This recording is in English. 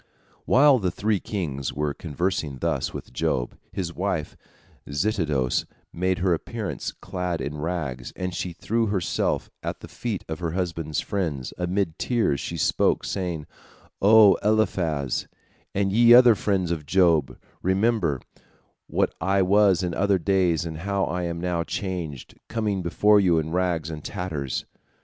While the three kings were conversing thus with Job, his wife Zitidos made her appearance clad in rags, and she threw herself at the feet of her husband's friends, and amid tears she spoke, saying: "O Eliphaz, and ye other friends of Job, remember what I was in other days, and how I am now changed, coming before you in rags and tatters."